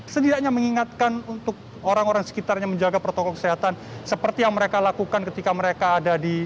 setidaknya mengingatkan untuk orang orang sekitarnya menjaga protokol kesehatan seperti yang mereka lakukan ketika mereka ada di